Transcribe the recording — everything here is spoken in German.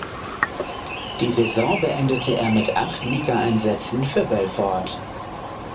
Die Saison beendete er mit acht Ligaeinsätzen für Belfort.